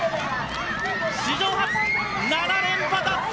史上初７連覇達成！